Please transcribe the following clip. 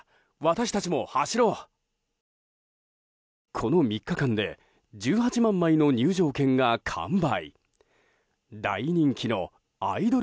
この３日間で１８万枚の入場券が完売。